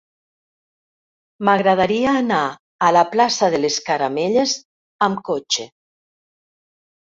M'agradaria anar a la plaça de les Caramelles amb cotxe.